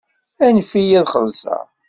Anef-iyi ad xelṣeɣ.